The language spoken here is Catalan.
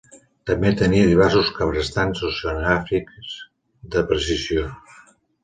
També tenia diversos cabrestants oceanogràfics de precisió.